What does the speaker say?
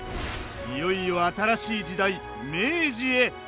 いよいよ新しい時代明治へ！